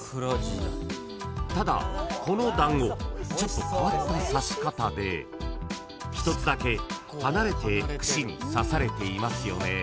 ［ただこの団子ちょっと変わった刺し方で１つだけ離れて串に刺されていますよね］